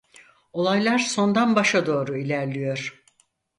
Olaylar sondan başa doğru ilerliyor.